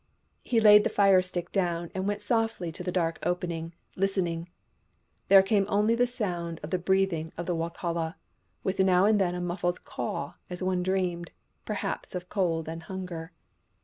He laid the fire stick down and went softly to the dark opening, listening. There came only the sound of the breathing of the Wokala, with now and then a muffled caw as one dreamed, perhaps, of cold and hunger.